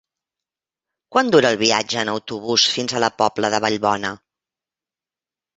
Quant dura el viatge en autobús fins a la Pobla de Vallbona?